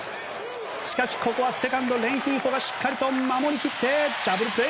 しかしここはセカンドレンヒーフォがしっかりと守り切ってダブルプレー。